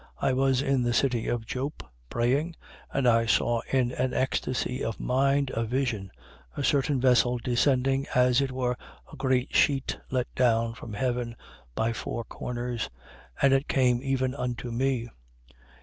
I was in the city of Joppe praying: and I saw in an ecstasy of mind a vision, a certain vessel descending, as it were a great sheet let down from heaven by four corners. And it came even unto me.